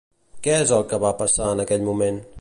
Què és el que va passar en aquell moment?